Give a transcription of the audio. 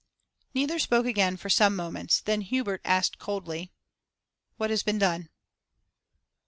Neither spoke again for some moments; then Hubert asked coldly 'What has been done?